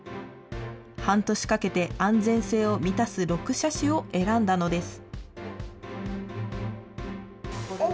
半年かけて安全性を満たす６車種を選んだのです。